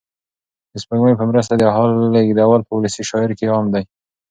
د سپوږمۍ په مرسته د حال لېږل په ولسي شاعرۍ کې عام دي.